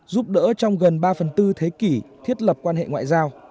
giúp đỡ trong gần ba phần tư thế kỷ thiết lập quan hệ ngoại giao